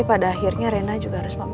supaya hak aso rena jatuh ke kamu